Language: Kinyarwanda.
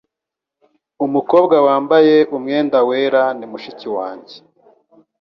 Umukobwa wambaye umwenda wera ni mushiki wanjye.